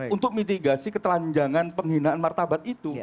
untuk mitigasi ketelanjangan penghinaan martabat itu